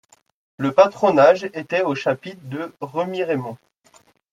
Le patronage était au chapitre de Remiremont.